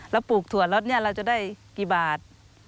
เราปลูกถั่วรอดนี้เราจะได้กี่บาท